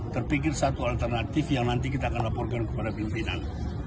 terpikir satu alternatif yang nanti kita akan laporkan kepada pimpinan